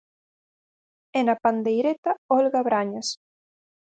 E na pandeireta Olga Brañas.